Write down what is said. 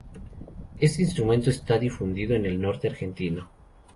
Este instrumento está difundido en el Norte argentino.